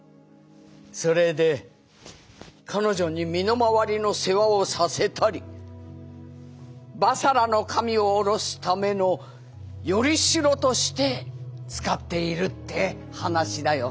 それで彼女に身の回りの世話をさせたり婆娑羅の神を降ろすための依り代として使っているって話だよ」。